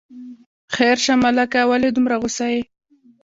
خیر شه ملکه، ولې دومره غوسه یې.